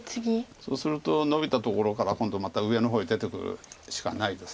そうするとノビたところから今度また上の方へ出てくるしかないです。